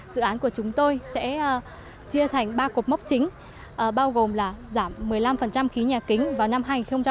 dự án của chúng tôi sẽ chia thành ba cột mốc chính bao gồm là giảm một mươi năm khí nhà kính vào năm hai nghìn hai mươi